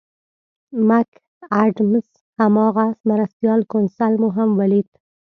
مک اډمز هماغه مرستیال کونسل مو هم ولید.